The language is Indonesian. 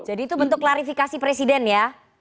jadi itu bentuk klarifikasi presiden ya